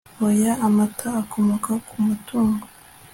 oya. amata akomoka ku matungo